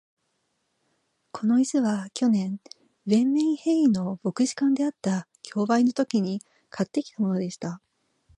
この椅子は、去年、ヴェンメンヘーイの牧師館であった競売のときに買ってきたものでした。